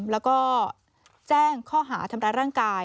แล้วก็แจ้งข้อหาทำร้ายร่างกาย